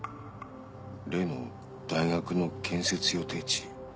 例の大学の建設予定地。